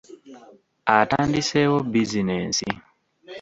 Atandiseewo bizinensi.